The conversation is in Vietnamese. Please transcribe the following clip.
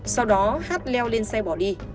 sau đó hát leo lên xe bỏ đi